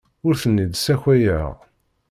Ur ten-id-ssakayeɣ.